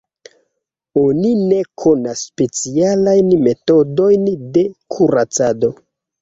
Oni ne konas specialajn metodojn de kuracado.